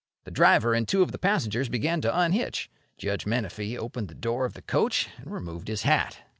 The driver and two of the passengers began to unhitch. Judge Menefee opened the door of the coach, and removed his hat.